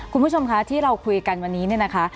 คุณผู้ชมคะที่เราคุยกันวันนี้เนี่ยนะคะ